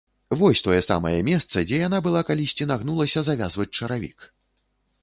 Вось тое самае месца, дзе яна была калісьці нагнулася завязваць чаравік.